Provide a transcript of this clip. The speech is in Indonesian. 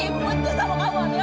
ibu putus sama kamu amira